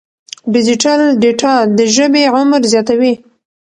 ډیجیټل ډیټا د ژبې عمر زیاتوي.